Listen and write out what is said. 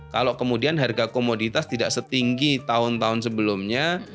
kalau kemudian harga komoditas tidak setinggi tahun tahun sebelumnya